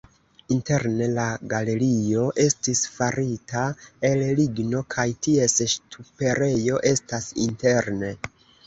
Interne la galerio estis farita el ligno kaj ties ŝtuperejo estas interne.